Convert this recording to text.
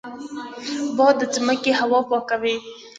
باد د ځمکې هوا پاکوي